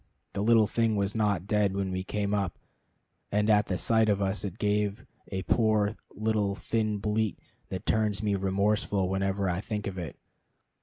The little thing was not dead when we came up, and at the sight of us it gave a poor little thin bleat that turns me remorseful whenever I think of it.